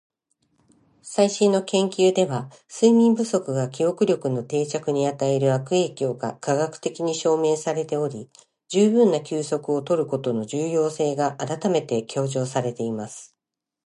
「最新の研究では、睡眠不足が記憶力の定着に与える悪影響が科学的に証明されており、十分な休息を取ることの重要性が改めて強調されています。」